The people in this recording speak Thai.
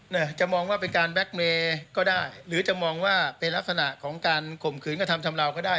น่ะจะมองว่าเป็นการแบล็กเมย์ก็ได้หรือจะมองว่าเป็นลักษณะของการข่มขืนกระทำชำราวก็ได้